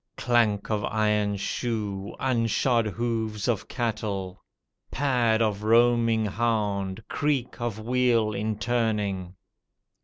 Clank of iron shoe, unshod hooves of cattle. Pad of roaming hound, creak of wheel in turning.